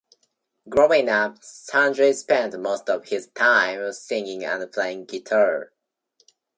Growing up, Sunjay spent most of his time singing and playing guitar.